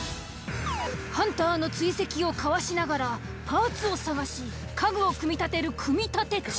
ハンターの追跡をかわしながらパーツを探し家具を組み立てる組立中。